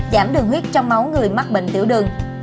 giảm đường huyết trong máu người mắc bệnh tiểu đường